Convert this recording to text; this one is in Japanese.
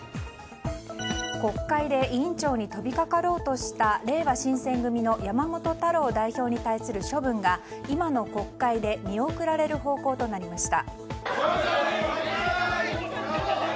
国会で委員長に飛びかかろうとしたれいわ新選組の山本太郎代表に対する処分が今の国会で見送られる方向となりました。